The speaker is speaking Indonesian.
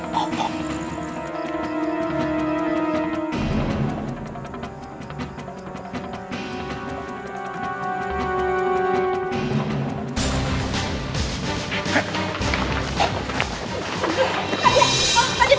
tadi tadi tadi tadi